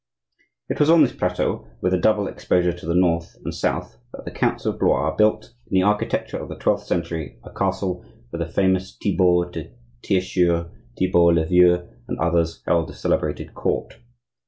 It was on this plateau, with a double exposure to the north and south, that the counts of Blois built, in the architecture of the twelfth century, a castle where the famous Thibault de Tircheur, Thibault le Vieux, and others held a celebrated court.